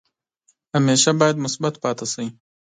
همیشه باید مثبت پاتې شئ.